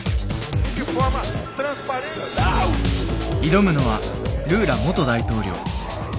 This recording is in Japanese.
挑むのはルーラ元大統領。